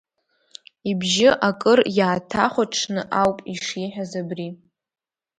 Ибжьы акыр иааҭахәаҽны ауп ишиҳәаз абри.